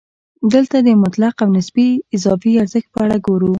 دلته د مطلق او نسبي اضافي ارزښت په اړه ګورو